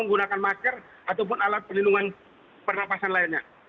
menggunakan masker ataupun alat perlindungan pernafasan lainnya